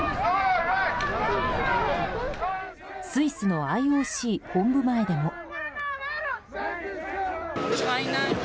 スイスのＩＯＣ本部前でも。